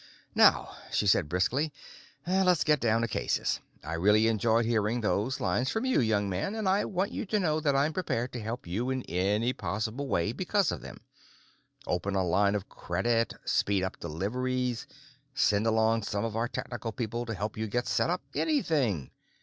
"Now," she said briskly, "let's get down to cases. I really enjoyed hearing those lines from you, young man, and I want you to know that I'm prepared to help you in any possible way because of them. Open a line of credit, speed up deliveries, send along some of our technical people to help you get set up—anything.